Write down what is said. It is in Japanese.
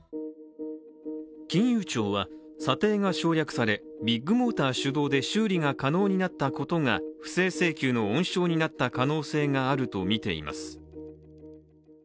金融庁は、査定が省略されビッグモーター主導で修理が可能になったことが不正請求の温床になった可能性があるとみています。